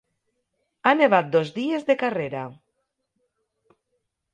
Ha nevat dos dies de carrera.